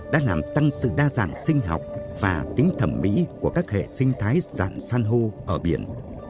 đã làm tăng sự đa dạng sinh học và tính thẩm mỹ của các hệ sinh thái dạng san hô ở biển